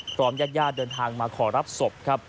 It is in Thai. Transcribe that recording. พร้อมยัดเดินทางมาขอรับศพครับ